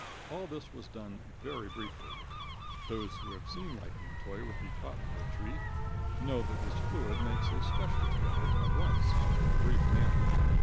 All this was done very briefly. Those who have seen lightning toy with a cottonwood tree, know that this fluid makes a specialty of it at once and in a brief manner.